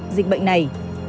dịch bệnh này